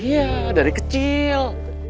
iya dari kecil